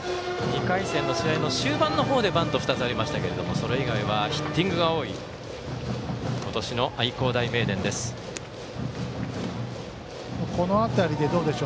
２回戦の試合の終盤の方でバント２つありましたけれどもそれ以外はヒッティングが多い今年の愛工大名電です。